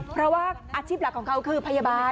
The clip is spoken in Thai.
เพราะว่าอาชีพหลักของเขาคือพยาบาล